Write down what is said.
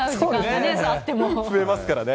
増えますからね。